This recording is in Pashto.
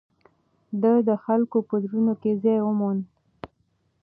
ده د خلکو په زړونو کې ځای وموند.